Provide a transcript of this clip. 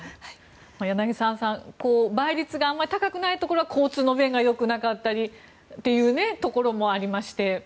柳澤さん倍率があまり高くないところは交通の便が良くなかったりというところもありまして。